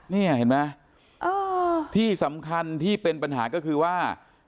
นี่เห็นไหมที่สำคัญที่เป็นปัญหาก็คือว่า